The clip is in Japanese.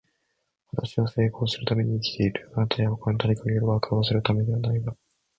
私は成功するために生きている。あなたや他の誰かを喜ばせるためではないわ。